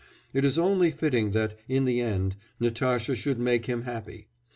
It is only fitting that, in the end, Natasha should make him happy.